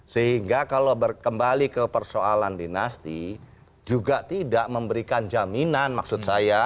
sehingga kalau kembali ke persoalan dinasti juga tidak memberikan jaminan maksud saya